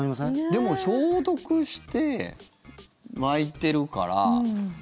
でも消毒して巻いてるから。